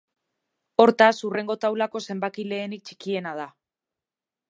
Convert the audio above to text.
Hortaz, hurrengo taulako zenbaki lehenik txikiena da.